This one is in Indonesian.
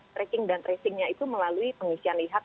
tracking dan tracingnya itu melalui pengisian e hack